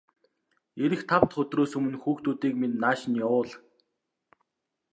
Ирэх тав дахь өдрөөс өмнө хүүхдүүдийг минь нааш нь явуул.